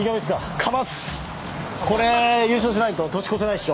これで優勝しないと年越せないでしょ。